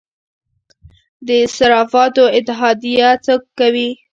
د صرافانو اتحادیه څه کوي؟